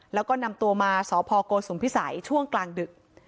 แล้วก็นำตัวมาสพโกสุมพิสัยช่วงกลางดึก